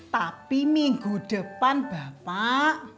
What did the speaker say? tapi minggu depan bapak